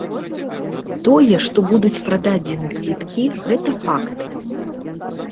Тое, што будуць прададзены квіткі, гэта факт.